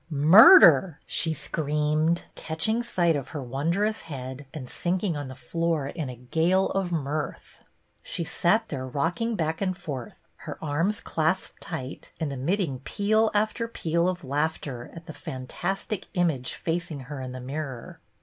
"Murder!" she screamed, catching sight of her wondrous head, and sinking on the floor in a gale of mirth. She sat there rocking back and forth, her arms clasped tight, and emitting peal after peal of laughter at the fantastic image facing her in the mirror.